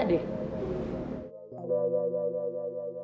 tadi kayaknya gak ada deh